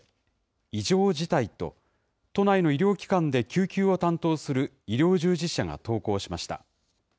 異常事態と、都内の医療機関で救急を担当する医療従事者が投稿しました。